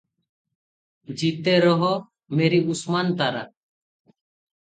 ଜିତେ ରହ ମେରି ଉସ୍ମାନ୍ ତାରା!